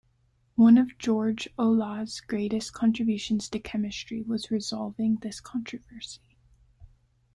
One of George Olah's greatest contributions to chemistry was resolving this controversy.